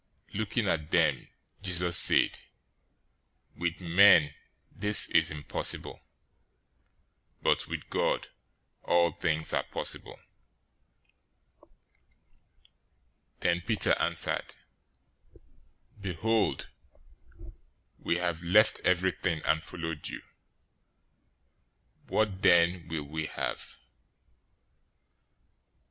019:026 Looking at them, Jesus said, "With men this is impossible, but with God all things are possible." 019:027 Then Peter answered, "Behold, we have left everything, and followed you. What then will we have?"